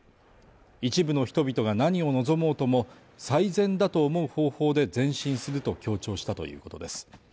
一部の人々が何を望もうとも最善だと思う方法で前進すると強調したということです。